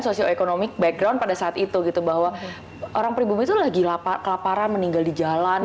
sosioekonomic background pada saat itu gitu bahwa orang pribumi itu lagi kelaparan meninggal di jalan